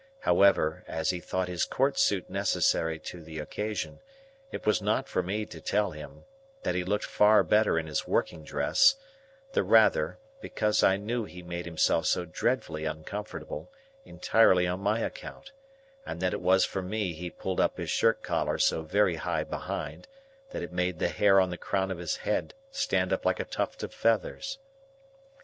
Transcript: However, as he thought his court suit necessary to the occasion, it was not for me to tell him that he looked far better in his working dress; the rather, because I knew he made himself so dreadfully uncomfortable, entirely on my account, and that it was for me he pulled up his shirt collar so very high behind, that it made the hair on the crown of his head stand up like a tuft of feathers.